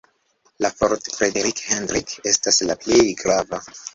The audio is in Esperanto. La "Fort Frederik Hendrik" estas la plej grava.